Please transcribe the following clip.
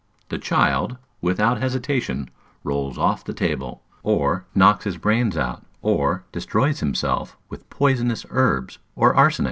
The child, without hesitation, rolls off the table, or knocks his brains out, or destroys himself with poisonous herbs or arsenic.